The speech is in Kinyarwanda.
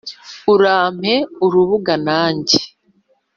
urampe urubuga na njye